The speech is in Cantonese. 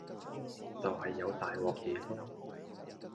就係有大鑊嘢囉